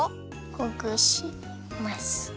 ほぐします！